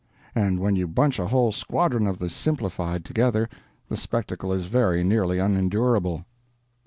and when you bunch a whole squadron of the Simplified together the spectacle is very nearly unendurable.